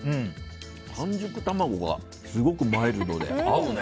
半熟卵がすごくマイルドで合うね。